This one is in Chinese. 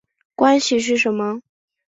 关系是什么？